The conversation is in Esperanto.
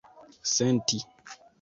senti